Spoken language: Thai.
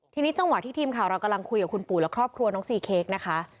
ทีนี้จังหวะที่ทีมข่าวเรากำลังคุยกับคุณปู่และครอบครัวน้องซีเค้กนะคะ